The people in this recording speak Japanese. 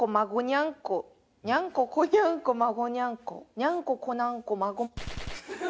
にゃんここなんこまご。